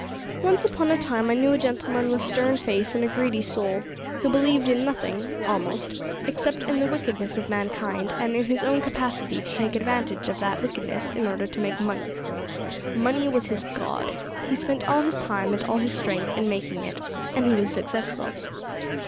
Once upon a time I knew a gentleman with a stern face and a greedy soul, who believed in nothing, almost, except in the wickedness of mankind, and in his own capacity to take advantage of that wickedness in order to make money. Money was his god. He spent all his time and all his strength in making it, and he was successful.